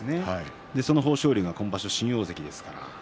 その豊昇龍が今場所新大関です。